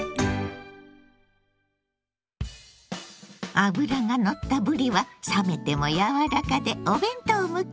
脂がのったぶりは冷めても柔らかでお弁当向き。